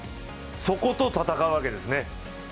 そこと戦うわけですね。